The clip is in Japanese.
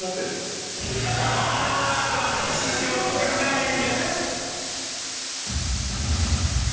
このあと師匠を考える。